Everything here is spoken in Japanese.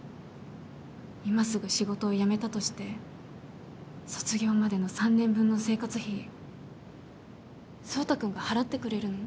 今すぐ仕事を辞めたとして卒業までの３年分の生活費壮太君が払ってくれるの？